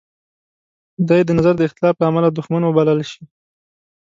دی د نظر د اختلاف لامله دوښمن وبلل شي.